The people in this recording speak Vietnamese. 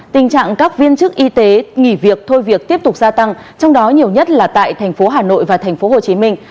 tình trạng các viên chức y tế nghỉ việc thôi việc tiếp tục gia tăng trong đó nhiều nhất là tại thành phố hà nội và thành phố hồ chí minh